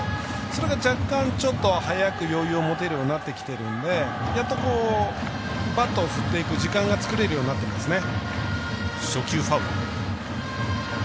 それが若干ちょっと早く余裕を持てるようになってきてるのでやっと、バットを振っていく時間作れるようになっていますね。